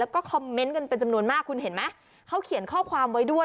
แล้วก็คอมเมนต์กันเป็นจำนวนมากคุณเห็นไหมเขาเขียนข้อความไว้ด้วย